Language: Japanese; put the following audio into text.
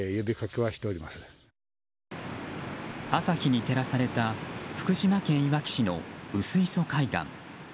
朝日に照らされた福島県いわき市の薄磯海岸。